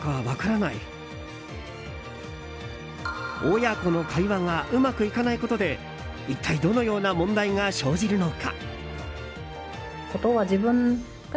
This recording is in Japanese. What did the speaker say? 親子の会話がうまくいかないことで一体どのような問題が生じるのか？